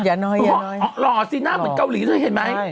อ๋อหล่อสิหน้าเหมือนเกาหลีใช่ไหม